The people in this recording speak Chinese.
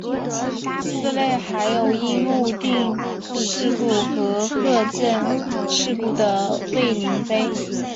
寺内还有樱木町事故和鹤见事故的慰灵碑。